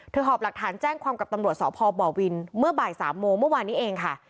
หอบหลักฐานแจ้งความกับตำรวจสพบวินเมื่อบ่าย๓โมงเมื่อวานนี้เองค่ะ